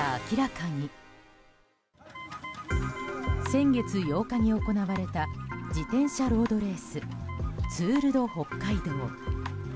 先月８日に行われた自転車ロードレースツール・ド・北海道。